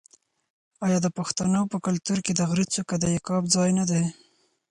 آیا د پښتنو په کلتور کې د غره څوکه د عقاب ځای نه دی؟